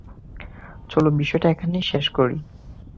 চলো বিষয়টা এখানেই শেষ করি।